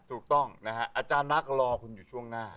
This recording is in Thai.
ถูกต้องนะฮะอาจารย์นักรอคุณอยู่ช่วงหน้า